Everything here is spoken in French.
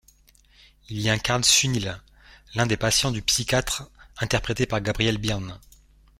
Il y incarne Sunil, l'un des patients du psychiatre interprété par Gabriel Byrne.